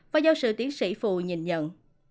hoa giáo sư tiến sĩ phụ nhìn nhận